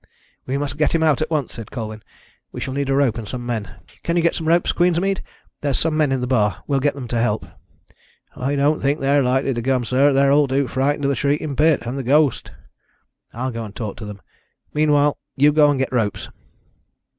"We must get him out at once," said Colwyn. "We shall need a rope and some men. Can you get some ropes, Queensmead? There's some men in the bar we'll get them to help. "I don't think they're likely to come, sir. They're all too frightened of the Shrieking Pit, and the ghost." "I'll go and talk to them. Meanwhile, you go and get ropes."